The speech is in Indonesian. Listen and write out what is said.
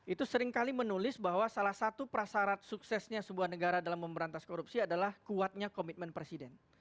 itu seringkali menulis bahwa salah satu prasarat suksesnya sebuah negara dalam memberantas korupsi adalah kuatnya komitmen presiden